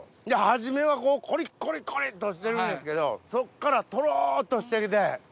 初めはコリコリコリっとしてるんですけどそっからとろっとして来て。